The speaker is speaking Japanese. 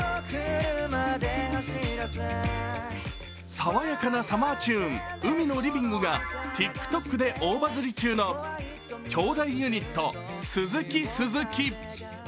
爽やかなサマーチューン「海のリビング」がＴｉｋＴｏｋで大バズり中の兄弟ユニット・鈴木鈴木。